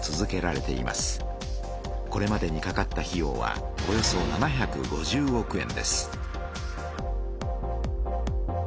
これまでにかかった費用は７５０億円！